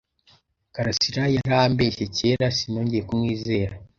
karasira yarambeshye kera, sinongeye kumwizera.